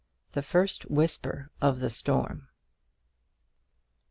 THE FIRST WHISPER OF THE STORM.